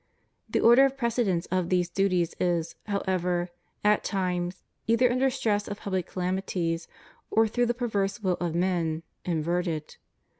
The order of precedence of these duties is, however, at times, either under stress of public calam ities, or through the perverse will of men, inverted.